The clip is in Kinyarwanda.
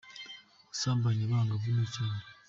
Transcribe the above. gusambanya abangavu nicyaha.